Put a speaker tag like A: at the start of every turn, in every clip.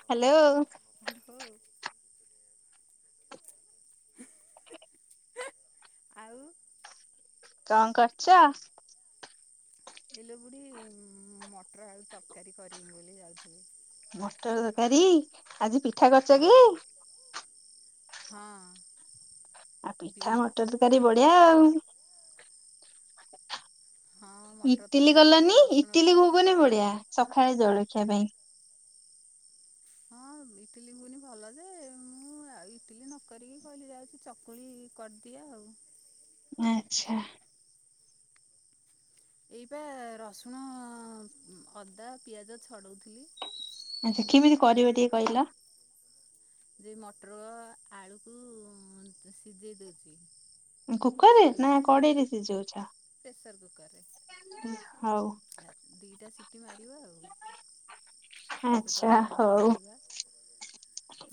A: Hello.
B: Hello. ଆଉ
A: କଣ କରୁଛ?
B: ବିଲ ବୁଢୀ ମଟର ଆଳୁ ତରକାରୀ କରିବି ବୋଲି ଯାଉଥିଲି।
A: ମଟର ତରକାରୀ ଆଜି ପିଠା କରୁଛ କି?
B: ହଁ ହଁ।
A: ଆଉ ପିଠା
B: ବିରି
A: ମଟର ତକାରୀ ବଢିଆ ଆଉ।
B: ହଁ ମଟର
A: ଇଟିଲି
B: ତରକାରୀ ପାଇଁ
A: ଗଲନି
B: ରସୁଣ
A: ଇଟିଲି ଗୁଗୁନି ବଢିଆ ସକାଳେ ଜଳଖିଆ ପାଇଁ।
B: ହଁ ଇଟିଲି ଗୁଗୁନି ଭଲ ଯେ ମୁଁ ଆଉ ଇଟିଲି ନକରିକି କହିଲି ଯାଉଛି ଚକୁଳି କରିଦିଏ ଆଉ।
A: ଆଛା।
B: ଏଇପା ରସୁଣ ଅଦା ପିଆଜ ଛଡ଼ଉଥିଲି।
A: ଆଚ୍ଛା କେମିତି କରିବ ଟିକେ କହିଲ?
B: ଯେ ମଟର ଆଳୁକୁ ସିଝେଇ ଦେଉଛି।
A: କୁକର ରେ ନା କଡେଇ ରେ ସିଝଉଛ?
B: ପ୍ରେସର୍ କୁକରରେ।
A: [inaudible]
B: ଦିଇଟା ସିଟି ମାରିବା ଆଉ। ତାପରେ ତାକୁ
A: ଆଚ୍ଛା
B: ବନ୍ଦ
A: ହଉ।
B: କରିଦେବା।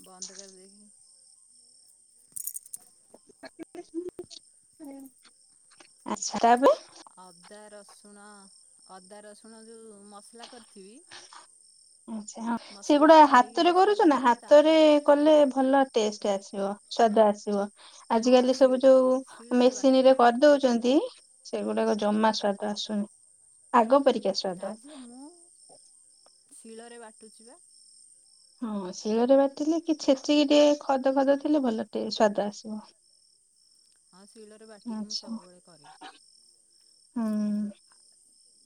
B: ବନ୍ଦ କରିଦେଇକି
A: ଆଚ୍ଛା ତା ପରେ
B: ଅଦା ରସୁଣ, ଅଦା ରସୁଣ ଯେଉଁ ମସଲା କରିଥିବି
A: ଆଛା ହଁ
B: ମସଲା
A: ସେଗୁଡା
B: ଛଡ଼େଇକି
A: ହାତରେ
B: ମସଲା
A: କରୁଛ ନା
B: କରିଦେଲି
A: ହାତରେ
B: ତାପରେ
A: କଲେ ଭଲ ଟେଷ୍ଟ ଆସିବ, ସ୍ଵାଦ ଆସିବ।
B: ହଁ
A: ଆଜିକାଲି
B: ଶି
A: ସବୁ ଯୋଉ
B: ଶିଳରେ
A: ମେସିନରେ
B: ବାଟୁଛି
A: କରିଦଉଛନ୍ତି ସେଗୁଡାକ ଜମା ସ୍ଵାଦ ଆସୁନି। ଆଗ ପରିକା
B: ନା
A: ସ୍ଵାଦ
B: ଝିଅ ମୁଁ ଶିଳରେ ବାଟୁଛି ବା,
A: ହଁ ଶିଳରେ ବାଟିଲେ କି ଛେଚିକି ଟିକେ ଖଦ ଖଦ ଥିଲେ ଭଲ ଟିକେ ସ୍ଵାଦ ଆସିବ।
B: ହଁ ଶିଳରେ ବାଟିକି ମୁଁ
A: ଆଚ୍ଛା,
B: ସବୁବେଳେ କରେ।
A: ହୁଁ।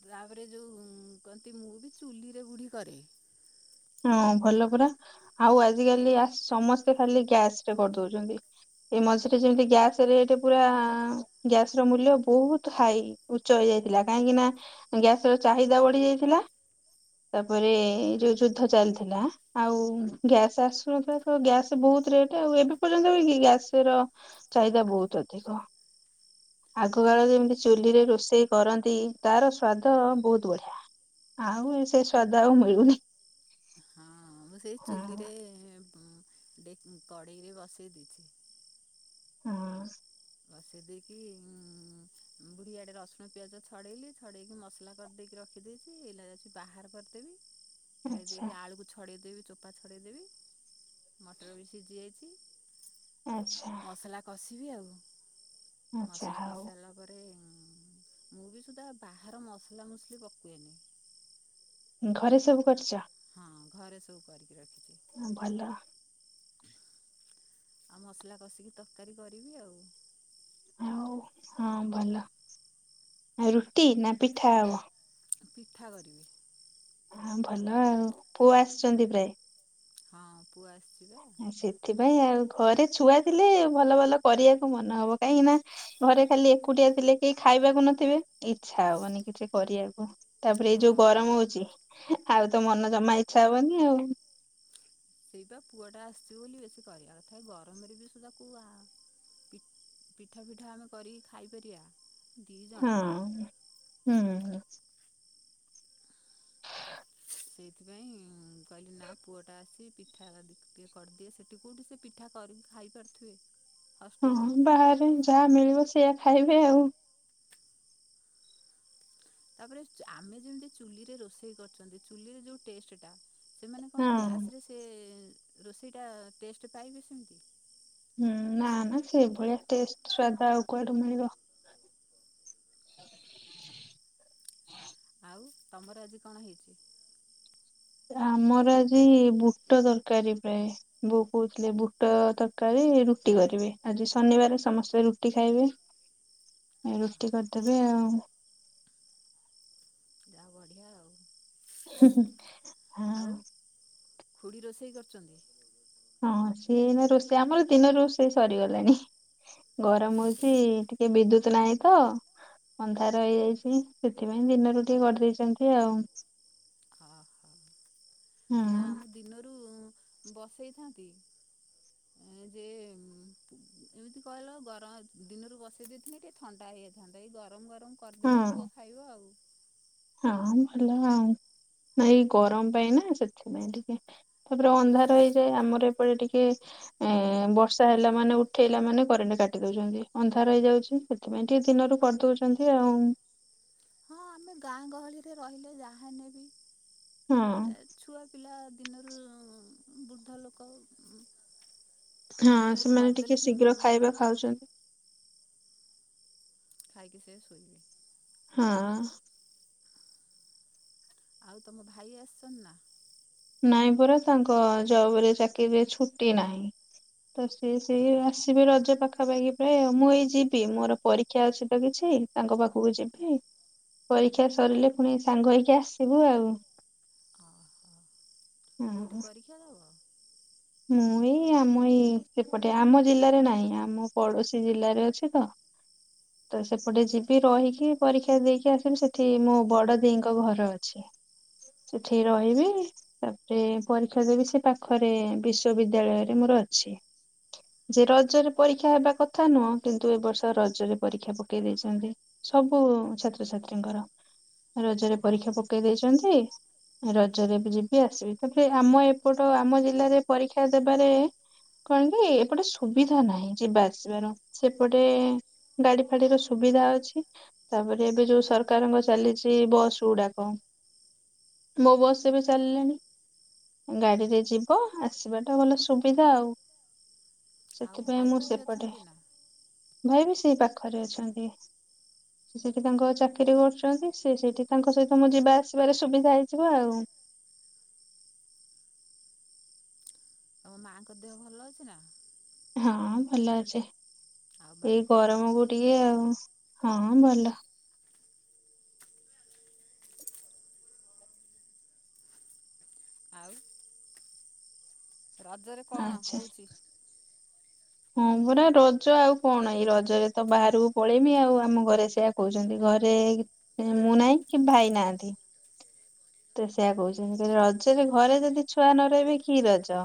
B: ତାପରେ ଯେଉଁ କହନ୍ତି ମୁଁ ବି ଚୁଲିରେ ବୁଢ଼ୀ କରେ।
A: ହଁ, ଭଲ ପରା। ଆଉ ଆଜିକାଲି ସମସ୍ତେ ଖାଲି ଗ୍ୟାସ ରେ କରିଦଉଛନ୍ତି। ଏଇ ମଝିରେ ଯେମିତି ଗ୍ୟାସ ରେଟ୍ ପୁରା ଗ୍ୟାସ ର ମୂଲ୍ୟ ବହୁତ ହାଇ। ଉଚ୍ଚ ହେଇଯାଇଥିଲା କାହିଁକି ନା ଗ୍ୟାସ ର ଚାହିଦା ବଢି ଯାଇଥିଲା। ତାପରେ ଏଇ ଯୋଉ ଯୁଦ୍ଧ ଚାଲିଥିଲା, ଆଉ ଗ୍ୟାସ ଆସୁନଥିଲା ତ ଗ୍ୟାସ ବହୁତ ରେଟ ଆଉ ଏବେ ପର୍ଯ୍ୟନ୍ତ ବି କି ଗ୍ୟାସ ର ଚାହିଦା ବହୁତ ଅଧିକ
B: ହଁ ବା
A: ଆଗକାଳରେ
B: ସେ
A: ଯେମିତି ଚୁଲିରେ ରୋଷେଇ କରନ୍ତି ତାର ସ୍ଵାଦ ବହୁତ ବଢିଆ, ଆଉ ସେ ସ୍ଵାଦ ଆଉ ମିଳୁନି।
B: ହଁ ମୁଁ ସେଇ
A: ହଁ
B: ଚୁଲିରେ କଡ଼େଇରେ ବସେଇ ଦେଇଛି।
A: ହଁ,
B: ବସେଇ ଦେଇକି ଉଁ ବୁଢୀଆଡେ ରସୁଣ ପିଆଜ ଛଡେଇଲି, ଛଡେଇକି ମସଲା କରିଦେଇକି ରଖିଦେଇଛି, ଏଲାଇଚି ବାହାର କରିଦେବି, ଢାଳି
A: ଆଚ୍ଛା
B: ଦେଇକି ଆଳୁକୁ ଛଡ଼େଇଦେବି, ଚୋପା ଛଡ଼େଇଦେବି ମଟର ବି ସିଝି ଯାଇଛି
A: ଆଚ୍ଛା,
B: ମସଲା କଷିବି ଆଉ,
A: ଆଚ୍ଛା
B: ମସଲା କଷି
A: ହଉ
B: ସାଇଲା ତାପରେ ମୁଁ ବି ସୁଦ୍ଧା ବାହାର ମସଲା, ମସଲି ପକାଏନି।
A: ଘରେ ସବୁ କରିଚ?
B: ହଁ ଘରେ ସବୁ କରିକି ରଖିଛି।
A: ହଁ ଭଲ,
B: ଆଉ ମସଲା କଷିକି ତରକାରୀ କରିବି ଆଉ,
A: ଆଉ ହଁ ଭଲ ଆ ରୁଟି ନା ପିଠା ହବ?
B: ପିଠା କରିବି।
A: ହଁ ଭଲ ଆଉ ପୁଅ ଆସିଛନ୍ତି ପ୍ରାୟ?
B: ହଁ ପୁଅ ଆସିଛି ତ,
A: ସେଥିପାଇଁ ଆଉ ଘରେ ଛୁଆ ଥିଲେ ଭଲ ଭଲ କରିବାକୁ ମନେ ହବ କାହିଁକି ନା, ଘରେ ଖାଲି ଏକୁଟିଆ ଥିଲେ କେହି ଖାଇବାକୁ ନଥିବେ ଇଚ୍ଛା ହବ ନି କିଛି କରିବାକୁ? ତାପରେ ଏଇ ଯୋଉ
B: ହଁ
A: ଗରମ ହଉଛି ଆଉ ତ ମନ ଜମା ଇଚ୍ଛା ହବନି ଆଉ,
B: ସେଇବା ପୁଅ ଟା ଆସିଛି ବୋଲି ବେଶୀ କରିବା କଥା ଗରମରେ ବି ସୁଧା କୋଉଆ ପିଠା, ପିଠା ଆମେ କରିକି ଖାଇପାରିବା ଦିଇ ଜଣ?
A: ହଁ। ହୁଁ, ହୁଁ।
B: ସେଇଥିପାଇଁ କହିଲି ନା ପୁଅଟା ଆସି ପିଠା କିଏ କରିଦିଏ ସେଠି କୋଉଠି ସେ ପିଠା କରିକି ଖାଇ ପାରୁଥିବେ।
A: ହଁ ବାହାରେ ଯାହା ମିଳିବ ସେଇଆ ଖାଇବେ ଆଉ।
B: ତାପରେ ଆମେ ଯେମିତି ଚୁଲିରେ ରୋଷେଇ କରୁଛନ୍ତି ଚୁଲିରେ ଯୋଉ ଟେଷ୍ଟ ଟା ସେମାନେ କଣ
A: ହଁ।
B: ଗ୍ୟାସ ରେ ସେ ରୋଷେଇଟା ଟେଷ୍ଟ ପାଇବେ ସେମିତି।
A: ହୁଁ ନା ନା ସେଇଭଳିଆ ଟେଷ୍ଟ ସ୍ୱାଦ ଆଉ କୁଆଡୁ ମିଳିବ।
B: ଆଉ ତମର ଆଜି କଣ ହେଇଛି।
A: ଆମର ଆଜି ବୁଟ ଦରକାରୀ ପାହି। ବହୁ କହୁଥିଲେ ବୁଟ ତରକାରୀ ରୁଟି କରିବେ ଆଜି ଶନିବାର ସମସ୍ତେ ରୁଟି ଖାଇବେ।
B: ହ
A: ରୁଟି କରିଦେବେ ଆଉ।
B: ଯା [unintelligible] ବଢିଆ ଆଉ
A: ହଁ
B: ଆଉ ଖୁଡ଼ି ରୋଷେଇ କରୁଛନ୍ତି?
A: ହଁ, ସିଏ ଏଇନା ରୋଷେଇ, ଆମର ଦିନ ରୋଷେଇ ସରିଗଲାଣି। ଗରମ ହଉଚି। ଟିକେ ବିଦ୍ୟୁତ ନାହିଁ ତ ଅନ୍ଧାର ହେଇଯାଇଛି। ସେଥିପାଇଁ ଦିନରୁ ଟିକେ କରିଦେଇଛନ୍ତି ଆଉ। ହଁ
B: ନା, ମୁଁ ଦିନରୁ ବସେଇଥାନ୍ତି ଏ ଯେ [unintelligible] ଏମିତି କହିଲ ଗରମ, ଦିନରୁ ବସେଇ ଦେଇଥିନି ଟିକେ ଥଣ୍ଡା ହେଇଯାଇଥାନ୍ତା। ଏଇ ଗରମ ଗରମ
A: ହଁ
B: କରିଦେଲେ ପୁଅ ଖାଇବ ଆଉ।
A: ହଁ, ଭଲ ଆଉ। ଏଇ ଗରମ ପାଇଁ ନା ସେଥିପାଇଁ ଟିକେ ତାପରେ ଅନ୍ଧାର ହେଇଯାଏ। ଆମର ଏପଟେ ଟିକେ ଏ ବର୍ଷା ହେଲା ମାନେ, ଉଠେଇଲା ମାନେ, କରେଣ୍ଟ କାଟି ଦଉଛନ୍ତି। ଅନ୍ଧାର ହେଇଯାଉଛି। ସେଥିପାଇଁ ଟିକେ ଦିନରୁ କରିଦଉଛନ୍ତି ଆଉ।
B: ହଁ, ଆମେ ଗାଁ ଗହଳିରେ ରହିଲେ। ଯାହା ହେନେ ବି
A: ହଁ
B: ଛୁଆ ପିଲା ଦିନରୁ ବୃଦ୍ଧ ଲୋକ
A: ହଁ,
B: ଦିନରୁ
A: ସେମାନେ ଟିକେ
B: କରିଦେଲେ
A: ଶୀଘ୍ର
B: ସେମାନେ ବି
A: ଖାଇବା ଖାଉଛନ୍ତି।
B: ଖାଇକି ସେ ଶୋଇବେ।
A: ହଁ
B: ଆଉ ତମ ଭାଇ ଆସିଛନ୍ ନା?
A: ନାଇଁ ପରା। ତାଙ୍କ ଜବ ରେ ଚାକିରିୀରେ ଛୁଟି ନାହିଁ। ତ ସିଏ ସିଏ ଆସିବେ ରଜ ପାଖାପାଖି ପ୍ରାୟ ଆଉ, ମୁଁ ଏଇ ଯିବି ମୋର ପରୀକ୍ଷା ଅଛି ତ କିଛି ତାଙ୍କ ପାଖକୁ ଯିବି। ପରୀକ୍ଷା ସରିଲେ ପୁଣି ସାଙ୍ଗ ହେଇକି ଆସିବୁ ଆଉ। ହଁ
B: କୋଉଠି ପରୀକ୍ଷା ଦବ?
A: ମୁଁ ଏଇ ଆମ ଏଇ ସେପଟେ, ଆମ ଜିଲ୍ଲାରେ ନାହିଁ। ଆମ ପଡୋଶୀ ଜିଲ୍ଲାରେ ଅଛି ତ
B: [inaudible]
A: ତ ସେପଟେ ଯିବି ରହିକି ପରୀକ୍ଷା ଦେଇକି ଆସିବି। ସେଠି ମୋ ବଡ ଦି ଙ୍କ ଘର ଅଛି। ସେଠି ରହିବି। ତାପରେ ପରୀକ୍ଷା ଦେବି ସେଇ ପାଖରେ ବିଶ୍ୱବିଦ୍ୟାଳୟ ରେ ମୋର ଅଛି। ଯେ ରଜରେ ପରୀକ୍ଷା ହେବା କଥା ନୁହଁ, କିନ୍ତୁ ଏ ବର୍ଷ ରଜରେ ପରୀକ୍ଷା ପକେଇ ଦେଇଛନ୍ତି। ସବୁ ଛାତ୍ରଛାତ୍ରୀଙ୍କର, ରଜରେ ପରୀକ୍ଷା ପକେଇ ଦେଇଛନ୍ତି ରଜରେ ବି ଯିବି ଆସିବି। ତାପରେ ଆମ ଏପଟ ଆମ ଜିଲ୍ଲାରେ ପରୀକ୍ଷା ଦେବାରେ କଣ କି ଏପଟେ ସୁବିଧା ନାହିଁ ଯିବା ଆସିବାର, ସେପଟେ ଗାଡି ଫାଡିର ସୁବିଧା ଅଛି। ତାପରେ ଏବେ ଯୋଉ ସରକାରଙ୍କ ଚାଲିଛି ବସ୍ ଗୁଡାକ। ମୋ ବସ୍ ଏବେ ଚାଲିଲାଣି ଗାଡିରେ ଯିବ। ଆସିବା ଟା ଭଲ ସୁବିଧା ଆଉ
B: ଆଉ
A: ସେଥିପାଇଁ
B: ଭାଇ
A: ମୁଁ
B: କେଉଁଠି
A: ସେପଟେ
B: ଅଛନ୍ତି ନା
A: ଭାଇ ବି ସେଇ ପାଖରେ ଅଛନ୍ତି। ସେ
B: [inaudible]
A: ସେଠି ତାଙ୍କ ଚାକିରି କରୁଛନ୍ତି ସେ ସେଇଠି ତାଙ୍କ ସହିତ ମୁଁ ଯିବା ଆସିବାରେ ସୁବିଧା ହେଇଯିବ ଆଉ।
B: ତମ ମାଙ୍କ ଦେହ ଭଲ ଅଛି ନା?
A: ହଁ ଭଲ ଅଛି,
B: ଆଉ
A: ଏଇ
B: ବାପାଙ୍କ ଦେହ
A: ଗରମକୁ ଟିକେ ଆଉ ହଁ ଭଲ।
B: ଆଉ। ରଜରେ କଣ
A: ଆଚ୍ଛା
B: ହଉଛି?
A: ହଁ ପରା ରଜ ଆଉ କଣ ଏଇ ରଜରେ ତ ବାହାରକୁ ପଳେଇମି ଆଉ ଆମ ଘରେ ସେଆ କହୁଛନ୍ତି ଘରେ ମୁଁ ନାହିଁ କି ଭାଇ ନାହାଁନ୍ତି। ତ ସେୟଆ କହୁଛନ୍ତି ରଜରେ ଘରେ ଯଦି ଛୁଆ ନ ରହିବେ କି ରଜ।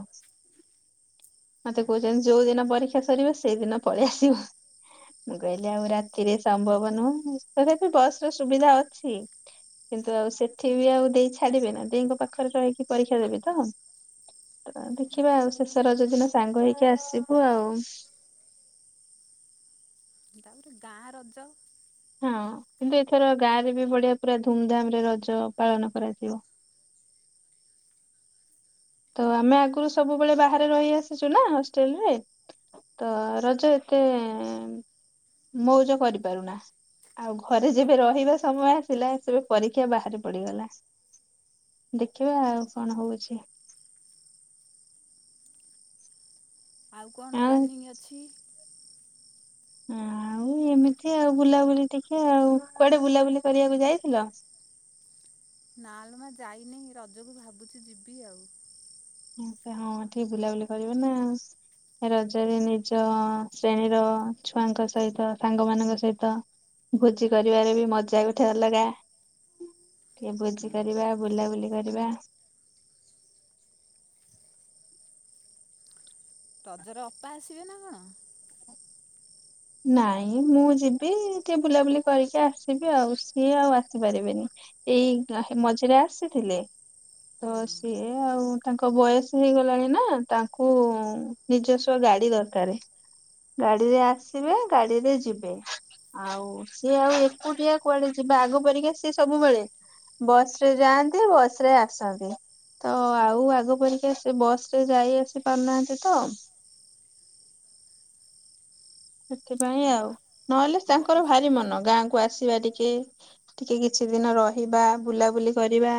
A: ମତେ କହୁଛନ୍ତି ଯୋଉ ଦିନ ପରୀକ୍ଷା ସରିବ ସେଇଦିନ ପଳେଇଆସିବୁ। ମୁଁ କହିଲି ଆଉ ରାତିରେ ସମ୍ଭବ ନୁହଁ ତଥାପି ବସ ର ସୁବିଧା ଅଛି। କିନ୍ତୁ ଆଉ ସେଠି ବି ଆଉ ଦେଇ ଛାଡିବେ ନା ଦେଇଙ୍କ ପାଖରେ ରହିକି ପରୀକ୍ଷା ଦେବି ତ। ତ ଦେଖିବା ଆଉ ଶେଷ ରଜ ଦିନ ସାଙ୍ଗ ହେଇକି ଆସିବୁ ଆଉ।
B: ତାପରେ ଗାଁ ରଜ।
A: ହଁ କିନ୍ତୁ ଏଥର ଗାଁ ରେ ବି ବଢିଆ ପୁରା ଧୁମଧାମ ରେ ରଜ ପାଳନ କରାଯିବ। ତ ଆମେ ଆଗୁରୁ ସବୁବେଳେ ବାହାରେ ରହି ଆସିଛୁ ନା ହଷ୍ଟେଲ ରେ। ତ ରଜ ଏତେ ମଉଜ କରିପାରୁନା। ଆଉ ଘରେ ଯେବେ ରହିବା ସମୟ ଆସିଲା ସେବେ ପରୀକ୍ଷା ବାହାରେ ପଡିଗଲା। ଦେଖିବା ଆଉ କଣ ହଉଛି।
B: ଆଉ କଣ ପ୍ଲାନିଂ ଅଛି?
A: ଆଉ ଏମିତି ଆଉ ବୁଲାବୁଲି ଟିକେ ଆଉ କୁଆଡେ ବୁଲାବୁଲି କରିବାକୁ ଯାଇଥିଲ?
B: ନାଲୋ ମା ଯାଇନି ରଜକୁ ଭାବୁଛି ଯିବି ଆଉ।
A: ହଁ ଟିକେ ବୁଲାବୁଲି କରିବ ନା। ରଜରେ ନିଜ ଶ୍ରେଣୀର ଛୁଆଙ୍କ ସହିତ ସାଙ୍ଗ ମାନଙ୍କ ସହିତ। ଭୋଜି କରିବାରେ ବି ମଜା ଗୋଟେ ଅଲଗା। ଟିକେ ଭୋଜି
B: ହୁଁ
A: କରିବା ବୁଲାବୁଲି କରିବା।
B: ରଜରେ ଅପା ଆସିବେ ନା କଣ।
A: ନାଇଁ ମୁଁ ଯିବି ଟିକେ ବୁଲାବୁଲି କରିକି ଆସିବି ଆଉ ସିଏ ଆଉ ଆସିପାରିବେନି। ଏଇ ମଝିରେ ଆସିଥିଲେ ତ ସିଏ ଆଉ
B: [inaudible]
A: ତାଙ୍କ ବୟସ ହେଇଗଲାଣି ନା ତାଙ୍କୁ ନିଜସ୍ୱ ଗାଡି ଦରକାରେ। ଗାଡିରେ ଆସିବେ ଗାଡିରେ ଯିବେ। ଆଉ ସିଏ ଆଉ ଏକୁଟିଆ କୁଆଡେ ଯିବା ଆଗ ପରିକା ସିଏ ସବୁବେଳେ। ବସ୍ ରେ ଯାଆନ୍ତି ବସ୍ ରେ ଆସନ୍ତି। ତ ଆଉ ଆଗ ପରିକା ସେ ବସ୍ ରେ ଯାଇ ଆସି ପାରୁନାହାନ୍ତି ତ। ସେଥିପାଇଁ
B: ବ
A: ଆଉ ନହେଲେ ତାଙ୍କର
B: ବୟସ
A: ଭାରି ମନ ଗାଁକୁ ଆସିବା ଟି। ଟିକେ ଟିକେ କିଛି ଦିନ ରହିବା ବୁଲାବୁଲି କରିବା।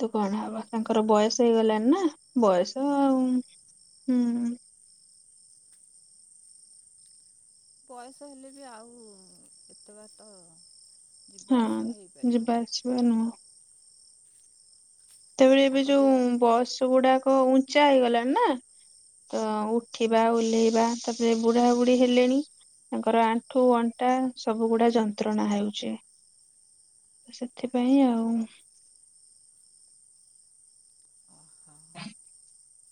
A: ତ କଣ ହବ ତାଙ୍କର ବୟସ ହେଇଗଲାଣିି ନା ବୟସ
B: ହଁ
A: ଆଉ ହୁଁ।
B: ବୟସ ହେଲେ ବି ଆଉ ଏତେ ବାଟ ଯିବା
A: ହଁ
B: ଆସିବା
A: ଯିବା
B: ହେଇପାରିବନି।
A: ଆସିବା ନୁହଁ ତେବେ ଏବେ
B: ତାଙ୍କ
A: ଯୋଉ
B: ଦେହ
A: ବସ୍ ଗୁଡାକ ଉଞ୍ଚା ହେଇଗଲାଣି ନା? ତ ଉଠିବା ଓହ୍ଲାଇବା ତାପରେ ବୁଢା ବୁଢ଼ୀ ହେଲେଣି ତାଙ୍କର ଆଣ୍ଠୁ ଅଣ୍ଟା ସବୁ ଗୁଡା ଯନ୍ତ୍ରଣା ହେଉଛି। ସେଥିପାଇଁ ଆଉ
B: ଓହୋ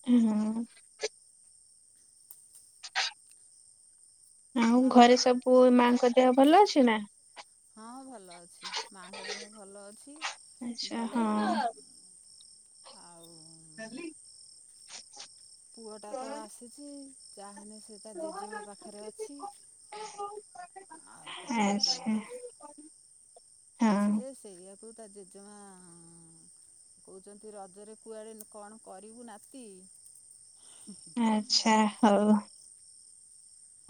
A: ହଁ ଆଉ ଘରେ ସବୁ ମାଙ୍କ ଦେହ ଭଲ ଅଛି ନା?
B: ହଁ ଭଲ ଅଛି ମାଙ୍କ ଦେହ ଭଲ ଅଛି
A: ଆଚ୍ଛା
B: ଭଲ
A: ହଁ
B: ଆଉ ପୁଅ ଟା ତ ଆସିଛି ଯାହେଲେ ସେ ତା ଜେଜେମା ପାଖରେ ଅଛି
A: [unintelligible]
B: ଆଉ ତା ଜେଜେମା
A: ଆଚ୍ଛା
B: ପାଖରେ ଅଛି
A: ହଁ
B: ଯେ ସେଇଆକୁ ତା ଜେଜେମା କହୁଛନ୍ତି ରଜରେ କୁଆଡେ କଣ କରିବୁ ନାତି?
A: ଆଚ୍ଛା ହଉ।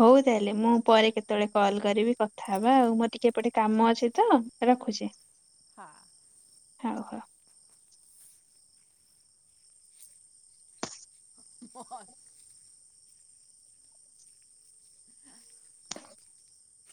A: ହଉ ତାହେଲେ ମୁଁ ପରେ କେତେବେଳେ କଲ୍ କରିବି କଥାହବା ଆଉ ମୋର ଟିକେ ଏପଟେ କାମ ଅଛି ତ ରଖୁଛି।
B: ହଁ।
A: ହଉ ହଉ।
B: [unintelligible]